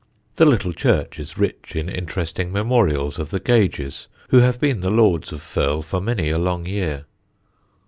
The little church is rich in interesting memorials of the Gages, who have been the lords of Firle for many a long year.